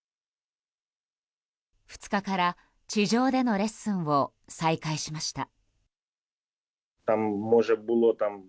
２日から、地上でのレッスンを再開しました。